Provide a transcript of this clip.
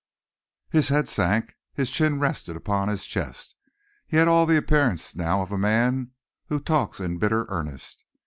His head sank, his chin rested upon his chest. He had all the appearance now of a man who talks in bitter earnest.